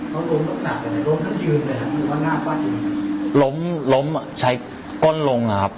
เขาล้มสักหนักอย่างไรล้มขึ้นยืนเลยครับหรือว่าหน้ากว้าดอยู่ไหมล้มล้มใช้ก้นลงครับ